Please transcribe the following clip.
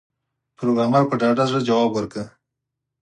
پروګرامر په ډاډه زړه ځواب ورکړ